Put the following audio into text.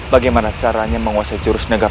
bagaimana caranya menguasai jurus negam